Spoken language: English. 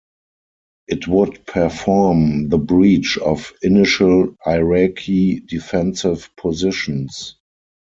It would perform the breach of initial Iraqi defensive positions.